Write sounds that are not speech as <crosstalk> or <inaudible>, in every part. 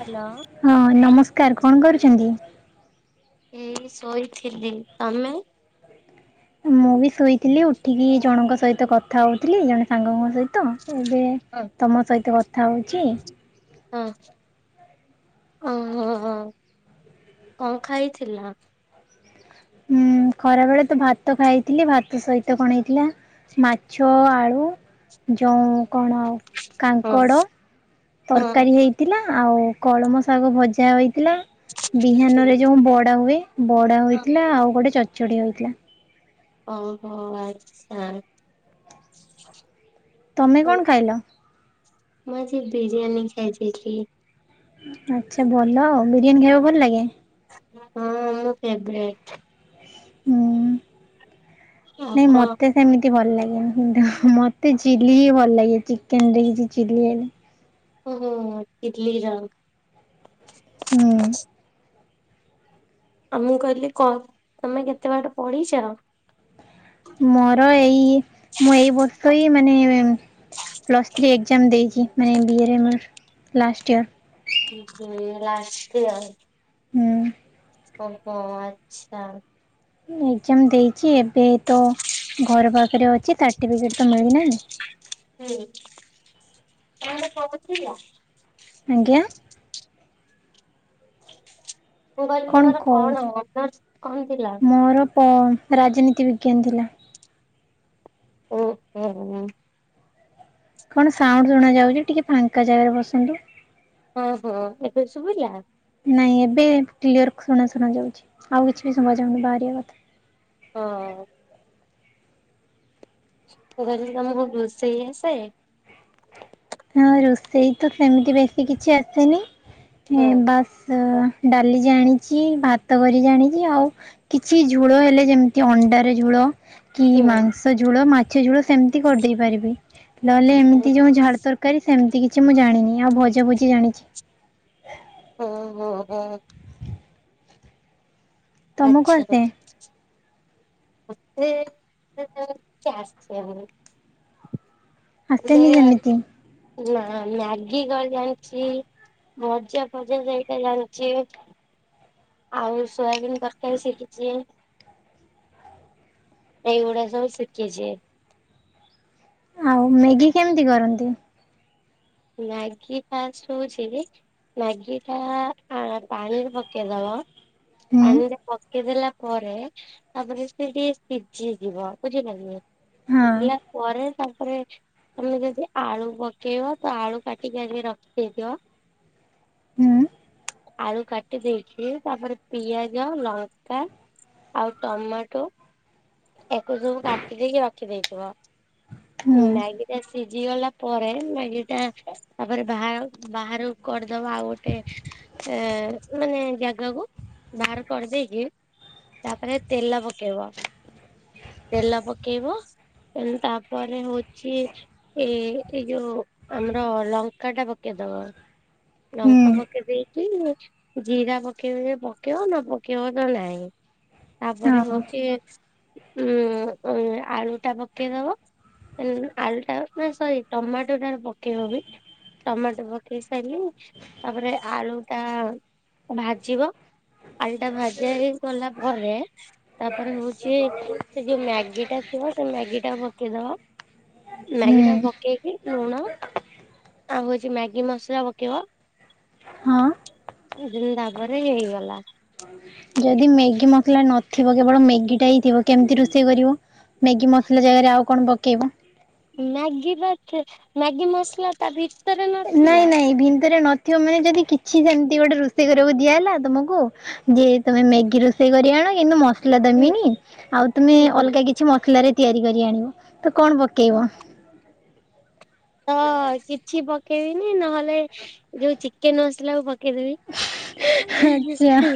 Hello. ହଁ ନମସ୍କାର! କଣ କରୁଛନ୍ତି? ଏ ଶୋଇଥିଲି। ତମେ ମୁଁ ବି ଶୁଇଥିଲି, ଉଠିକି ଜଣଙ୍କ ସହିତ କଥା ହଉଥିଲି ଜଣେ ସାଙ୍ଗଙ୍କ ସହି ତ। ଏବେ ତମ ସହିତ କଥା ହଉଛି। ହଁ। ଓହୋ! କଣ ଖାଇଥିଲ? ହୁଁ, ଖରା ବେଳେ ତ ଭାତ ଖାଇଥିଲି। ଭାତ ସହିତ କଣ ହେଇଥିଲା ମାଛ ଆଳୁ ଯଉଁ କଣ? ହଁ କାଙ୍କଡ ତରକାରୀ ହେଇଥିଲା, ଆଉ କଳମ ଶାଗ ଭଜା ହୋଇ ଥିଲା ବିହାନ ରେ ହଁ ଯୋଉ ବଡା ହୁଏ, ବଡା ହୋଇଥିଲା ଆଉ ଗୋଟେ ଚ ଚଢ଼ିଆ ହୋଇଥିଲା। ଓହୋ! ଆଚ୍ଛା। ତମେ କଣ ଖାଇଲ? ମୁଁ ଆଜି ବିିରିୟାନୀ ଖାଇଦେଇଥିଲି। ଆଚ୍ଛା, ଭଲ ଆଉ ବିରିୟାନୀ ଖାଇବାକୁ ଭଲ ଲାଗେ? ହଁ ମୋ ଫେବ୍ରେଟ। ହୁଁ, ଆଉ ନାଇଁ କଣ ମତେ ସେମିତି ଭଲ ଲାଗେନି। ଦୁହୁ ମତେ ଚିଲି ହି ଭଲ ଲାଗେ। ଚିକେନ୍ ଦେଇକିରି ଚିଲି ହେଲେ। ଓହୋ! ଚିଲି ର। ହୁଁ। ଆଉ ମୁଁ କହିଲି କ ତମେ କେତେ ବାଟ ପଢିଛ? ମୋର ଏଇ-ଇ ମୁଁ ଏଇ ବର୍ଷ ହି ମାନେ-ଏ ପ୍ଲସ୍ ଥ୍ରୀ ଏକ୍ଜାମ ଦେଇଛି। ମାନେ ବି ଏ ରେ ଲାଷ୍ଟ ଇଅର। <unintelligible> ଲାଷ୍ଟଇଅର। ହୁଁ। ଓହୋ! ଆଚ୍ଛା। ହୁଁ ଏକ୍ଜାମ ଦେଇଛି। ଏବେ ତ ଘର ପାଖରେ ଅଛି ସାର୍ଟିଫିକେଟ ତ ମିଳିନାହିଁ। ହେ କଣ କହୁଥିଲା? ଆଜ୍ଞା। ମୁଁ କହିଲି ତମର କଣ ଅନର୍ସ କଣ ଥିଲା? ଓ ରାଜନୀତି ବିଜ୍ଞାନ ଥିଲା। ଓହୋ! ଓ। କଣ ସାଉଣ୍ଡ ଶୁଣାଯାଉଛି ଟିକେ ଫାଙ୍କା ଜାଗାରେ ବସନ୍ତୁ। ହଁ ହଁ ଏବେ ଶୁଭିଲା। କ୍ଲିଅର ଶୁଣା ଶୁଣାଯାଉଛି ଆଉ କିଛି ବି ଶୁଭାଯାଉନି ବାହାରିିବା କଥା। ହଁ। ତ ତମର ଖକୁ ରୋସେଇ ଆସେ। ହଁ ରୋଷେଇ ତ ସେମିତି ବେଶୀ କିଛି ଆସେନି ହଁ ବାସ୍ ଡାଲି ଜାଣିଛି ଭାତ କରି ଜାଣିଛି ଆଉ କିଛି ଝୋଳ ହେଲେ ଯେମିତି ଅଣ୍ଡାର ଝୋଳ। କି ହୁଁ ମାଂସ ଝୁଳ ମାଛ ଝୋଳ ସେମିତି କରିଦେଇ ପାରିବି। ଲହଲେ ହୁଁ ଏମିତି ଯୋଉ ଝାଡ ତରକାରୀ ସେମିତି କିଛି ମୁଁ ଜାଣିନି ଆଉ ଭଜ ଭୋଜି ଜାଣିଛି। ହଁ-ହଁ-ହଁ। ତମକୁ ଆଚ୍ଛା। ଆସେ ମୋତେ। <unintelligible> ଆସେନି ସେମିତି। ନା ମ୍ୟାଗି କରି ଜାଣିଛି। ଭଜା ଭଜା ସେଇଟା ଯାଣିଛି। ଆଉ ସୋୟାବିନ୍ ତରକାରୀ ଶିଖିଛି। ଏଇଗୁଡ଼ା ସବ ଶଖିେଛି। ଆଉ ମେଗି କେମିତି କରନ୍ତି। ମ୍ୟଗୀ ଶୁଭୁଛି ମ୍ୟଗୀ ଟା ହଁ ପାଣିରେ ପକେଇଦବ ହୁଁ ପାଣିରେ ପକେଇଦେଲା ପରେ ପରେ ତାପରେ ସେ ଟିକେ ସିଝିଯିବ ବୁଝିପାରିଲେ। ହଁ ସିଝିଲା ପରେ ତାପରେ ତମେ ଯଦି ଆଳୁ ପକେଇବ। ତ ଆଳୁ କାଟିକି ଆସିକି ରଖିଦେଇଥିବ। ହୁଁ। ଆଳୁ କାଟି ଦେଇେଇଛି ତାପରେ ପିଆଜ ଲଙ୍କା। ଆଉ ଟମାଟୋ। ଏକୁ ସବୁ କାଟି ଦେଇକି ରଖିଦେଇଥିବ ହୁଁ ମ୍ୟଗୀ। ସିଝି ଗଲା ପରେ ମ୍ୟାଗି ଟା ତାପରେ ବା ବାହହାରାରୁ କରିଦବା ଆଉ ଗୋଟେ। ଏ ମାନେ ଜାଗାକୁ ବାହାର କରିଦେଇକି। ତାପରେ ତେଲ ପକେଇବ। ହ ତେଲ ପକେଇବ। ଏ ତାପରେ ହଉଛି ଏ ଏଇ ଯୋଉ ଆମର ଲଙ୍କା ଟା ପକେଇବ। ବା ଲଙ୍କା ହୁଁ ପକେଇ ଦେଇକି। ଜିରା ପକେଇବ ପକେଇବ ନ ପକେଇବ ତ ନହିଁ। ତାପରେ ହଁ। ହଉଛି ଉ ଆଳୁ ଟା ପକେଇଦବ। ଆଳୁଟା ନା ସରି ଟମାଟୋଟା ପକେଇବବି। ଟମାଟୋ ପକେଇ ସାରିଲି ତାପରେ ଆଳୁ ଟା ଭାଜିବ। ଆଲଟା ଭାଜା ହେଇ ଗଲା ପରେ ତାପରେ ହଉଛି ସେ ଯୋଉ ମ୍ୟାଗି ଟା। ହଁ ସେ ମ୍ୟାଗି ଟା ପକେଇଦବା ହୁଁ ମ୍ୟାଗି ଟା ହଁ ପକେଇକି ଲୁଣ। ଆଉ ହଉଛି ମ୍ୟାଗି ମସଲା ପକେଇବ। ସେଦିନ ତାବରେ ହେଇଗଲା। ଯଦି ମ୍ୟାଗି ମସଲା ନଥିବ କେବଳ ମ୍ୟାଗି ଟା ହିଁ ଥିବ କେମିତି ରୋଷେଇ କରିବ। ମ୍ୟାଗି ମସଲା ଜାଗାରେ ଆଉ କଣ ପକେଇବ। ମ୍ୟାଗି ବା ମ୍ୟାଗି ମସଲା ତ ନାଇଁ ନାଇଁ ଭିନ୍ଦରେ ନଥିବ ମାନେ ଯଦି କି କିଛି ସେମିତି ଗୋଟେ ରୋଷେଇ କରିବାକୁ ଦିଆହ ହେଲା ତମକୁ ଯେ ତମେ ମ୍ୟାଗି ରୋଷେଇ କରି ଆଣ କିନ୍ତୁ ମ ହୁଁ ଦମିନି ଆଉ ତମେ ହୁଁ ହୁଁ। ଅଲଗା କିଛି ମସଲା ରେ। ତିଆରି କରି ଆଣିବ ତ କଣ ପକେଇବ। ତ କିଛି ପକେଇବିନି ନହେଲେ ଯୋଉ ଚିକେନ ମସିଲ କ ପକେଇ କେଦେ ବି ଆଚ୍ଛା ହଁ।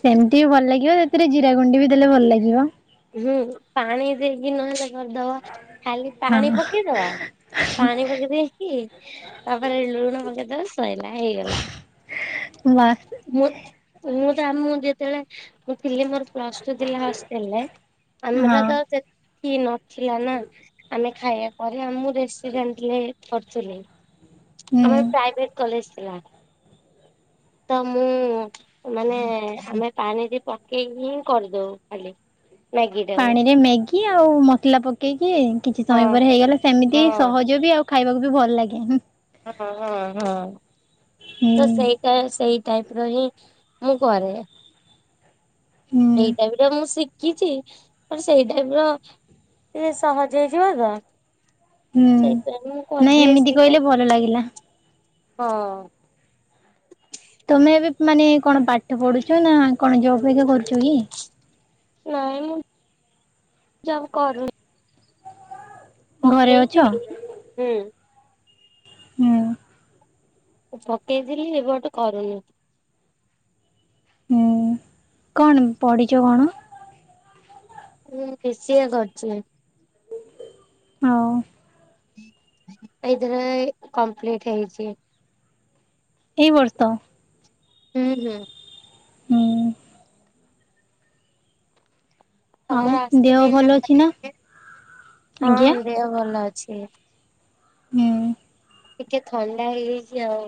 ସେମତି ବି ଭଲ ଲାଗିବ ସେଥିରେ ଜିରା ଗୁଣ୍ଡି ବି ଦେଲେ ଭଲ ଲାଗିବ। ହୁଁ ପାଣି ଦେଇକି ନହେଲେ କରିଦବା। ଖାଲି ପାଣି ହଁ ପକେଇଦବ ପାଣି ପକେଇ ଦେଇକି ତାପରେ ଲୁଣ ପକେଇ ଦବ ସଇଲା ହେଇଗଲା। ହ ମୁଁ ମୁଁ ତ ଆମ ଯେତେବେଳେ ଥିଲି ମୋର ପ୍ଲସ ଟୁ ଥିଲା ହଷ୍ଟେଲରେ ଆମର ହଁ ତ ଯେତି କି ନଥିଲା ନା। ଆମେ ଖାଇବା ପରେ ଆମ ମୁଁ <unintelligible> ହୁଁ। ଆମର ପ୍ରାଇଭେଟ କଲେଜ ଥିଲା। ତ ମୁଁ ମାନେ ଆମେ ପାଣିଟି ପକେଇ ହିଁ କରିଦଉ ଖାଲି ମ୍ୟାଗିଟାକୁ। କିଏ ଆଉ ମସଲା ପକେଇକି କିଛି ହଁ ସମୟ ପରେ ହେଇଗଲା ହଁ ସେମିତି ହି ସହଜ ବି ଆଉ ଖାଇବାକୁ ବି ଭଲ ଲାଗେ ହୁଁ। ହଁ ହଁ ହଁ ତ ସେଇଟା ସେଇ ଟାଇପ ର ହିଁ ମୁଁ କରେ। ହୁଁ ଏଇ ଟାଇପ୍ ର ମୁଁ ଶି ଖିଚି ବଟ ସେଇ ଟାଇପ ର ରେ ସହଜ ହେଇଯିବ ତ। ହୁଁ ସେଇଥିପାଇଁ ମୁଁ ନାଇଁ କରିଦିଏ ଏମିତି ସେଇଟା। କହିଲେ ଭଲ ଲାଗିଲା। ହଁ। ତମେ ଏବେ ମାନେ କଣ ପାଠ ପଢୁଚ ନା କଣ ଜବ ହେଇକା କରୁଚ କି? ନାଇଁ ମୁଁ ଜବ କରୁନି। ଘରେ ଅଛ ପକେଇଥିଲି ହୁଁ। ହୁଁ। ପକେଇଥିଲି ଏ ବଟ କରୁନି। ହୁଁ କଣ ପଢ଼ିଚ କଣ? ମୁଁ ବି ସି ଏ କରୁଚି। ହଉ। ଏଇଥିରେ କମ୍ପ୍ଲିଟ ହେଇଛି। ଏଇ ବର୍ଷ? ହୁଁ ହୁଁ। ହୁଁ। ଆଉ ତମର ଦେହ ଆସିି ଭଲ ନା ଅଛି ସାର୍ଟିଫିକେଟ? ଆଜ୍ଞା ହଁ ଦେହ ଭଲ ଅଛି। ହୁଁ। ଟିକେ ଥଣ୍ଡା ହେଇଯାଇଛି ଆଉ।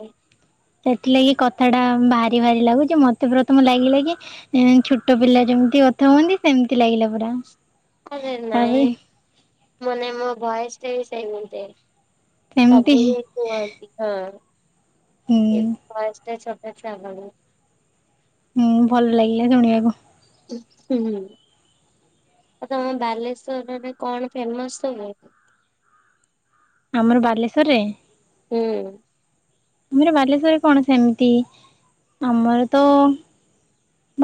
ସେଥିଲାଗି କଥା ଟା ଭାରି ଭାରି ଲାଗୁଚି। ମତେ ପ୍ରଥମ ଲାଗିଲା କି ଉଁ ଛୋଟ ପିଲା ଯେଉଁ ଏମିତି କଥା ହୁଅନ୍ତି ସେମିତି ଲାଗିଲା ପୁରା। ଆରେ ନାଇଁ ତାପରେ ମାନେ ମୋ ଭଏସଟା ବି ସେମିତି। ସେମିତି ହୁଁ <unintelligible> ଆଚ୍ଛା <unintelligible> ହୁଁ ଭଲ ଲାଗିଲା ଶୁଣିବାକୁ। ହୁଁ। ଆଉ ତମ ବାଲେଶ୍ଵରରେ ଏବେ କଣ ଫେମସ ସବୁ? ଆମର ବାଲେଶ୍ଵରରେ? ହୁଁ। ଆମର ବାଲେଶ୍ଵରରେ କଣ ସେମତି ଆମର ତ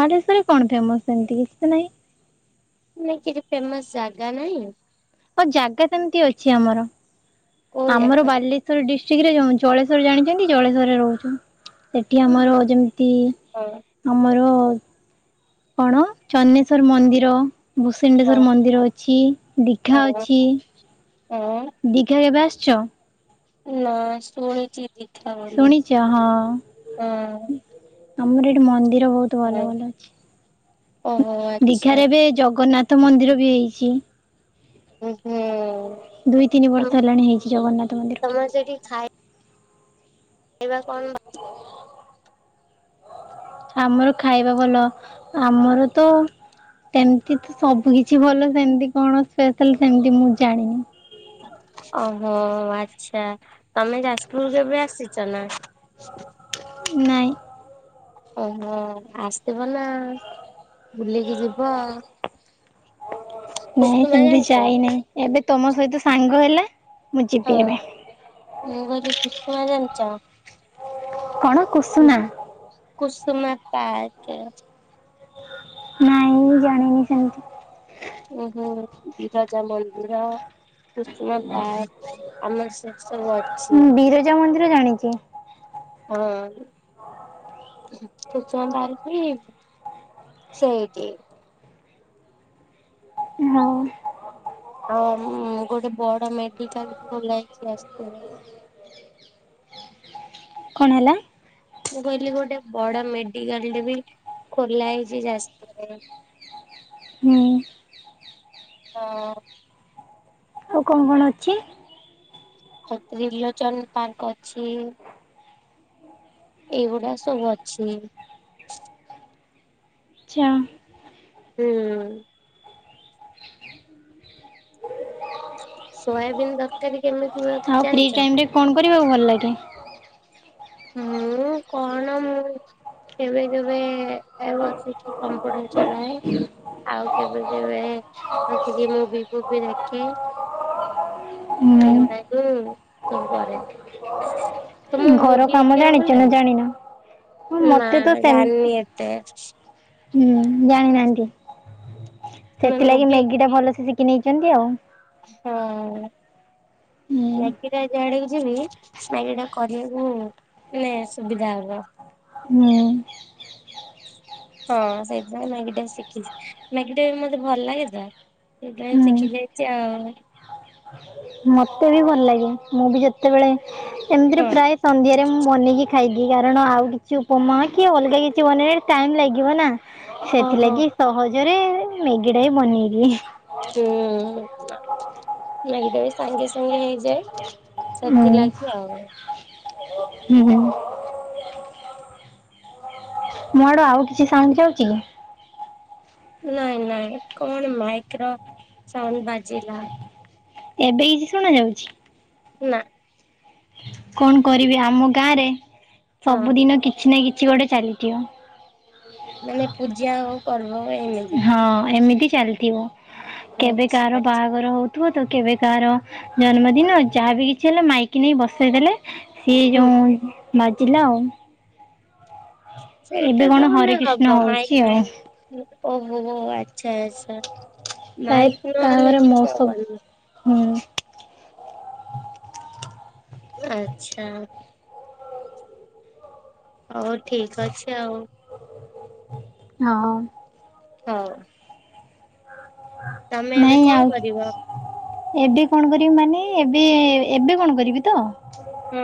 ବାଲେଶ୍ଵରରେ କଣ ଫେମସ୍ ସେମିତି କିଛି ତ ନାହିଁ। ନାଇ କିଛି ଫେମସ ଜାଗା ନାହିଁ? ଓ ଜାଗା ସେମତି ଅଛି ଆମର। କୋଉ ଆମର ଜାଗା? ବାଲେଶ୍ଵର ଡିସ୍ ଷ୍ଟ୍ରିକ୍ଟ ଯୋଉ ଜଳେଶ୍ଵର ଜାଣିଚନ୍ତି ଜଳେଶ୍ଵରରେ ରହୁଚୁ। ସେଠି ଆମର ଯେମତି ହଁ ଆମର କଣ ଚନେଶ୍ଵର ମନ୍ଦିର <unintelligible> ହଁ ମନ୍ଦିର ଅଛି ଦୀଘା ହଁ ଅଛି। ହଁ ଦୀଘା କେବେ ଆସିଚ? ନା ଶୁଣଛି। ଶୁଣିଛ ହଁ। ହଁ ଆମର ଏଠି ମନ୍ଦିର ବହୁତ ଭଲ ଭଲ ଓହୋ ଅଛି। ଆଚ୍ଛା ଦୀଘାରେ ଏବେ ଜଗନ୍ନାଥ ମନ୍ଦିର ବି ହେଇଛି। ହୁଁ ଦୁଇ ତିନି ତମ ବର୍ଷ ହେଲାଣି ହେଇଛି ଜଗନ୍ନାଥ ମନ୍ଦିର। ପାଇବା କଣ <unintelligible> ଆମର ଖାଇବା ଭଲ ଆମର ତ ସେମିତି ତ ସବୁ କିଛି ଭଲ ସେମିତି କଣ ସ୍ପେଶାଲ ସେମତି ମୁଁ ଜାଣିନି ଓହୋ ଆଚ୍ଛା ତମେ ଯାଜପୁରକୁ କେବେ ଆସିଛ ନା? ନାଇଁ। ଓହୋ ଆସିବ ନା ବୁଲିକି ଯିବ। ନାଇଁ କୁସୁମା ସେମିତି ଜାଣିଛ? ଯାଇନାହିଁ ଏବେ ତମ ସହିତ ସାଙ୍ଗ ହେଲେ ହଁ ମୁ କହିଲି କୁଷୁମା ଜାଣିଚ? କଣ କୁସୁମା? ପାଏ କେଣେଛେ। ନାଇଁ ମୁ ଜାଣିନି ସେମିତି? ଓ ହୋ ବିରଜା ମନ୍ଦିର, ସୁସୁମା ପାର୍କ ଆମର ସେ ସବୁ ଅଛି। ମୁଁ ବିରଜା ମନ୍ଦିର ଜାଣିଛି ହଁ ଉନ୍ମ। ସୁସୁମ ପାର୍କ ବି ସେଇଠି। ହଁ। ଆଉ ଗୋଟେ ବଡ ମେଡିକାଲ କୁ ଓଲାଇକି ଆସଥିଲେ। କଣ ହେଲା? ମୁଁ କହିଲି ଗୋଟେ ବଡ ମେଡିକାଲ ଟେ ବି ଖୋଲା ହେଇଛି ଯାଜପୁରରେ। ହୁଁ। ହଁ। ଆଉ କଣ କଣ ଅଛି? ଖତ୍ ତ୍ରିଲୋଚନ ପାର୍କ ଅଛି। ଏଇଗୁଡା ସବୁ ଅଛି। ଚା। ହୁଁ। ସୋୟାବିନ୍ ତରକାରୀ କେମିତି ହୁଏ ଆଉ ଫ୍ରି ଜାଣିଛ? ଟାଇମରେ କଣ କରିବାକୁ ଭଲ ଲାଗେ। ମୁଁ କଣ ମୁଁ କେବେ କେବେ ଏ ଏବ ସେଠି କମ୍ପ୍ୟୁଟର ଚଲାଏ। ଆଉ କେବେ କେବେ ମୁଭି, ଫୁଭି ଦେଖେ। ଏଇ ଗୋଟା କୁ ସବୁ କରେ। ତ ହୁଁ ମୁଁ ଘର କାମ ଜାଣିଛୁ ନା ଜାଣିନୁ? ନା ଜାଣିନି ଏତେ। ହୁଁ ଜାଣିନାହାନ୍ତି ସେଥିଲାଗି ମୁଭି ମ୍ୟାଗି ଟା ଭଲସେ ଶିଖି ନେଇଛନ୍ତି ଆଉ। ହଁ ହୁଁ ଲାଗିିଲା ଯୁଆଡେକୁ ଯିବି ମ୍ୟାଗି ଟା କରିବାକୁ ମାନେ ସୁବିଧା ହବ। ହୁଁ। ହଁ ସେଇଥିପାଇଁ ମ୍ୟାଗିଟା ଶିଖିଚି। ମ୍ୟାଗି ଟା ବି ମତେ ଭଲ ଲାଗେ ତ। ସେଇପାଇଁ ଶିଖି ଯାଇଛି ଆଉ। ମତେ ବି ଭଲ ଲାଗେ ମୁଁ ବି ଯେତେବେଳେ ଏମିତିରେ ହଁ। ପ୍ରାୟ ସନ୍ଧ୍ୟାରେ ମୁଁ ବନେଇକି ଖାଇଦି କାରଣ ଆଉ କିଛି ଉପମା କି ଅଲଗା କିଛି ବନେଇବା ଟାଇମ ଲାଗିବ ନା। ହଁ ହଁ ସେଥିଲାଗି ସହଜରେ ମ୍ୟାଗିଟା ହି ବନେଇଦିଏ। ନାଇଁ ଏଇଟା ବି ସାଙ୍ଗେ ସାଙ୍ଗେ ହେଇଯାଏ ମୁଁ। ସେଥିଲାଗି ଆଉ। ହୁଁ ହୁଁ। ମୋ ଆଡୁ ଆଉ କିଛି ସାଉଣ୍ଡ ଯାଉଛି କି? ନାଇଁ ନାଇଁ କଣ ମାଇକ୍ରୋ ସାଉନ୍ ବାଜିଲା ଏବେ କିଛି ଶୁଣା ଯାଉଛି, ନା କଣ କରିବି ଆମ ଗାଁ ରେ ହଁ ସବୁଦିନ କିଛି ନା କି କିଛି ଗୋଟେ ଚାଲିଥିବ ମାନେ ପୂଜା ଆଉ ପର୍ବ ଏମିତି ହଁ ଏମିତି ଚାଲିଥିବ କେବେ କାହାର ଆଚ୍ଛା। ବାହାଘର ହଉ ଥିବ ତ କେବେ କାହାର ଜନ୍ମଦିନ, ଯାହା ବିି କିଛି ହେଲେ ମାଇକି ନେଇ ବସେଇଦେଲେ ସିଏ ହୁଁ ଯୋଉ ମାଜିଲା ଆଉ ଏବେ ସେଇଟା କଣ ହରେ ତମେ କୃଷ୍ଣ ଦବ ହଉଛି ଆଉ। ମାଇକି ଓହୋ ହୋ ଆଚ୍ଛା ଆଚ୍ଛା। ପ୍ରାୟ ମାଇପି ନ ରହିଲେ କାହାଘରେ କିଛି ମହୋତ୍ସବ ହବନି। ହୁଁ। ଆଛା। ହଉ ଠିକ୍ ଅଛି ଆଉ। ହଁ ହଉ। ତମେ ଏବେ ନାଇଁ କଣ ଆଉ କରିବ? ଏବେ କଣ କରିବି ମାନେ ଏବେ ଏବେ କଣ କରିବି ତ? ହୁଁ।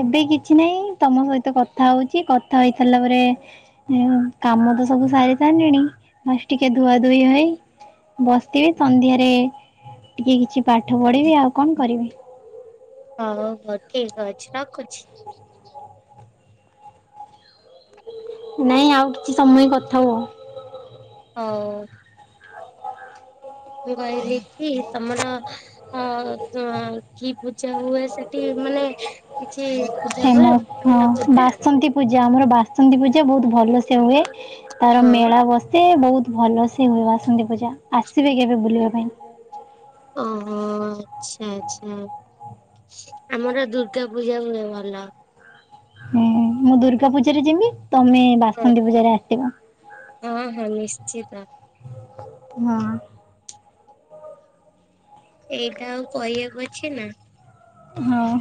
ଏବେ କିଛି ନାହିଁ ତମ ସହିତ କଥା ହୋଉଚି କଥା ହେଇ ସାରିଲା ପରେ ଏ କାମ ତ ସବୁ ମୁଁ ସାରିସାଇଲିଣି ବାସ୍ ଟିକେ ଧୁଆ ଧୁୋଇ ହୋଇ ବସିବି ସନ୍ଧ୍ୟାରେ ଟିକେ କିଛି ପାଠ ପଢିବି ଆଉ କଣ କରିବି। ହଉ ହଉ ଠିକ୍ ଅଛି ରଖୁଛି। ନାଇଁ ଆଉ କିଛି ସମୟ କଥା ହୁଅ। ଆଉ। ମୁଁ କହିଲି କି ତମର ଅ ଉଁ କି ପୂଜା ହୁଏ? ସେଠି ମାନେ କିଛି ପୂଜା ହୁଏ ଫେମସ୍ ବଡ ବଡ ହଁ ପୂଜା। ଭଲ ସେ ହୁଏ ତାର ହଁ ମେଳା ବସେ ବହୁତ୍ ଭଲସ ହୁଏ ବାସନ୍ତି ପୂଜା ଆସିବେ କେବେ ବୁଲିବା ପାଇଁ। ଅହୋ ଆଛା ଆଛା। ଆମର ଦୁର୍ଗା ପୂଜା ହୁଏ ଭଲ। ହୁଁ ମୁଁ ଦୁର୍ଗା ପୂଜାରେ ଯିବି ତମେ ହଁ ବାସନ୍ତୀ ପୂଜାରେ ଆସିବ। ହଁ ହଁ ନିଶ୍ଚିତ। ହଁ। ଏଇଟା ଆଉ କହିବାକୁ ଅଛି ନା। ହଁ।